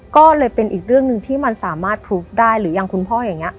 ก็เลยเป็นอีกเรื่องหนึ่งที่มันสามารถพลูฟได้หรือยังคุณพ่ออย่างนี้